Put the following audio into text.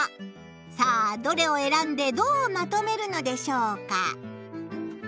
さあどれをえらんでどうまとめるのでしょうか。